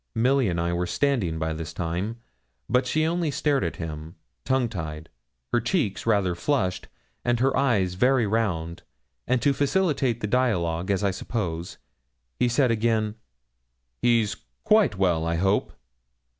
Milly and I were standing, by this time, but she only stared at him, tongue tied, her cheeks rather flushed, and her eyes very round, and to facilitate the dialogue, as I suppose, he said again 'He's quite well, I hope?'